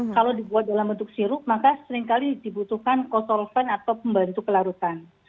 kalau dibuat dalam bentuk sirup maka seringkali dibutuhkan kosolven atau pembantu pelarutan